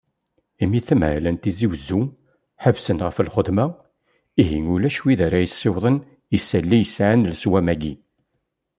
Imi tanmehla n Tizi Uzzu, ḥebsen ɣef lxedma, ihi ulac wid ara yessiwḍen isali yeɛnan leswam-agi.